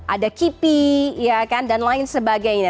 ada kipi ya kan dan lain sebagainya